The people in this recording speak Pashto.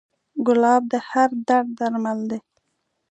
ګلاب د هر درد درمل دی.